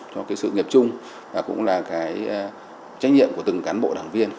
do cái sự nghiệp chung và cũng là cái trách nhiệm của từng cán bộ đảng viên